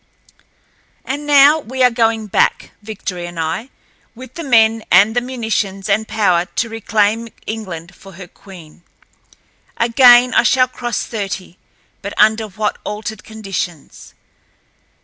And now we are going back, Victory and I, with the men and the munitions and power to reclaim England for her queen. Again I shall cross thirty, but under what altered conditions!